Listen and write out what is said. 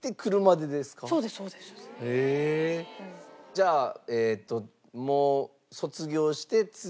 じゃあえっともう卒業して次。